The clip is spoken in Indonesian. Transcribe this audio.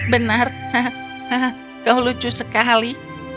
benar kau lucu sekali